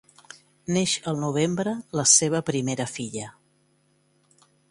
Neix al novembre la seva primera filla.